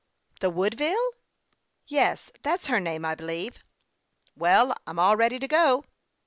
"The Woodville?" " Yes, that's her name, I believe." " Well, I'm all ready to go."